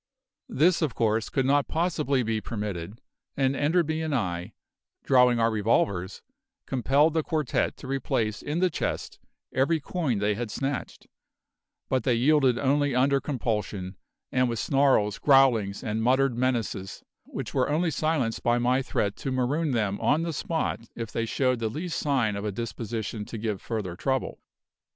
This, of course, could not possibly be permitted, and Enderby and I, drawing our revolvers, compelled the quartette to replace in the chest every coin they had snatched; but they yielded only under compulsion, and with snarls, growlings, and muttered menaces which were only silenced by my threat to maroon them on the spot if they showed the least sign of a disposition to give further trouble.